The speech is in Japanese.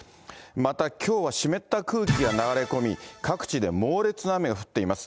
またきょうは湿った空気が流れ込み、各地で猛烈な雨が降っています。